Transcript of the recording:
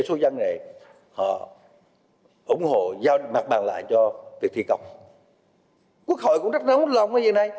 số dân này ủng hộ giao mặt bằng lại cho việc thi công quốc hội cũng rất nóng lòng với việc này